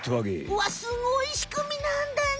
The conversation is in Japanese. うわすごいしくみなんだね。